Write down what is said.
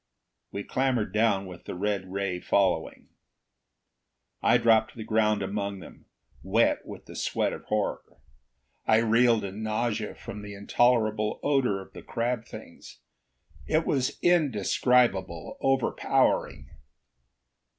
We clambered down, with the red ray following. I dropped to the ground among them, wet with the sweat of horror. I reeled in nausea from the intolerable odor of the crab things; it was indescribable, overpowering.